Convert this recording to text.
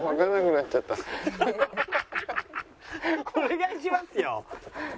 お願いしますよ。